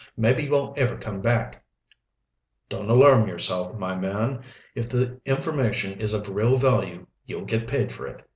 Maybe you won't ever come back." "Don't alarm yourself, my man. If the information is of real value, you'll get paid for it.